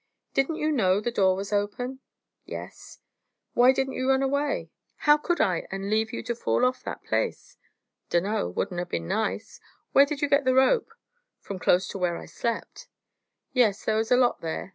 "Didn't you know the door was open?" "Yes." "Why didn't yer run away?" "How could I, and leave you to fall off that place?" "Dunno. Wouldn't ha' been nice. Where did you get the rope?" "From close to where I slept." "Yes, there was a lot there.